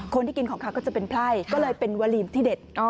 คนที่กินของเขาก็จะเป็นไพร่ก็เลยเป็นวลีมที่เด็ด